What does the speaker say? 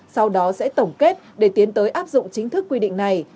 sau đó sẽ tổng kết để tiến tới áp dụng chính thức quy định này